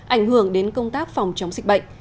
ảnh hưởng đến công tác phòng chống dịch bệnh